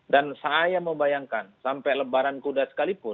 dan saya membayangkan sampai lebaran kuda sekalipun